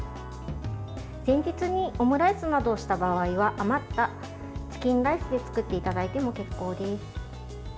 前日にオムライスなどをした場合は余ったチキンライスで作っていただいても結構です。